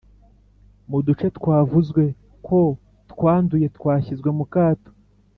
Mu duce twavuzwe ko twanduye twashyizwe mukato